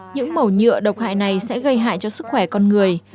những màu nhựa độc hại này sẽ gây hại cho sức khỏe con người